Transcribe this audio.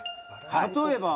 例えば？